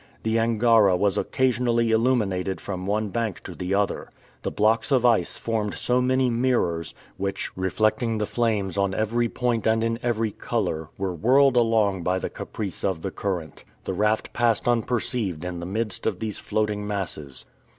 The Angara was occasionally illuminated from one bank to the other. The blocks of ice formed so many mirrors, which, reflecting the flames on every point and in every color, were whirled along by the caprice of the current. The raft passed unperceived in the midst of these floating masses.